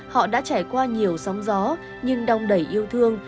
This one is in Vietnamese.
họ đã trải qua nhiều sóng gió nhưng đong đầy yêu thương